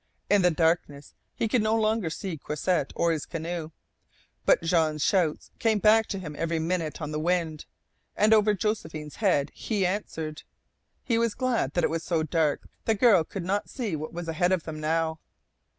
In the darkness he could no longer see Croisset or his canoe. But Jean's shout came back to him every minute on the wind, and over Josephine's head he answered. He was glad that it was so dark the girl could not see what was ahead of them now.